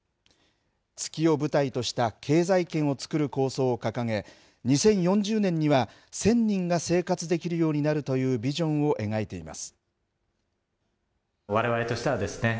月を舞台とした経済圏をつくる構想を掲げ、２０４０年には、１０００人が生活できるようになるというビジョンを描いています。